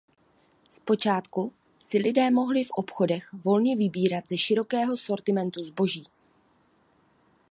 Z počátku si lidé mohli v obchodech volně vybírat ze širokého sortimentu zboží.